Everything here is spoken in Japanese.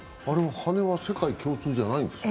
羽根は世界共通じゃないんですか？